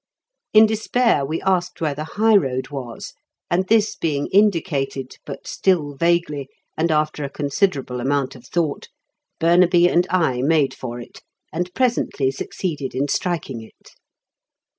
In despair we asked where the high road was, and this being indicated, but still vaguely and after a considerable amount of thought, Burnaby and I made for it, and presently succeeded in striking it.